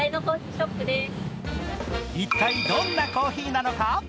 一体、どんなコーヒーなのか？